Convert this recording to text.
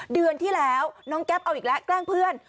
เดือนที่แล้วน้องแก๊ปเอาอีกแล้วแกล้งเพื่อน